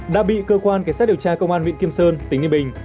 đã bị cơ quan cảnh sát điều tra công an huyện kim sơn tỉnh yên bình